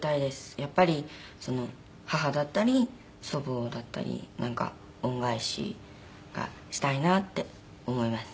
やっぱり母だったり祖母だったりなんか恩返しがしたいなって思います。